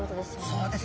そうです。